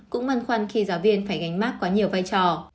cũng băn khoăn khi giáo viên phải gánh mát có nhiều vai trò